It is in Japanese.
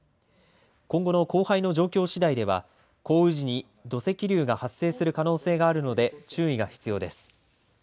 今後の降灰の状況次第では、降雨時に土石流が発生する可能性があるので注意が必要です。